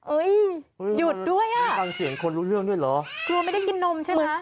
อุ้ยอยู่ด้วยอ่ะกลางเสียงคนรู้เรื่องด้วยหรอกลัวไม่ได้กินนมใช่มะ